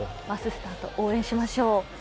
マススタート、応援しましょう。